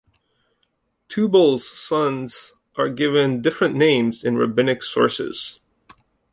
Tubal's sons are given different names in rabbinic sources.